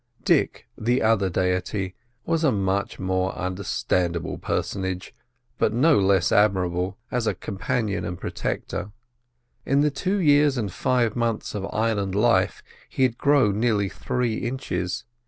Dick, the other deity, was a much more understandable personage, but no less admirable, as a companion and protector. In the two years and five months of island life he had grown nearly three inches.